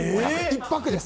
１泊です。